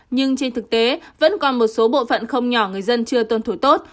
nhưng trên thực tế vẫn còn một số bộ phận không nhỏ người dân chưa tuân thủ tốt